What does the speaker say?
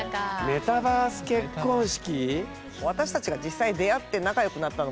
メタバース結婚式。